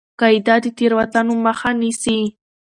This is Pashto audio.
قاعده د تېروتنو مخه نیسي.